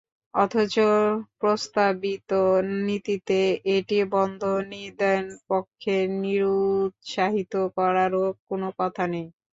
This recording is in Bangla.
অথচ প্রস্তাবিত নীতিতে এটি বন্ধ, নিদেনপক্ষে নিরুত্সাহিত করারও কোনো কথা নেই।